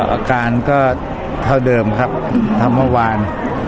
อาการก็เท่าเดิมครับทำเมื่อวาน